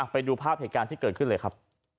ไปดูภาพเหตุการณ์ที่เกิดขึ้นเลยครับ